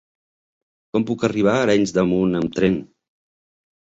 Com puc arribar a Arenys de Munt amb tren?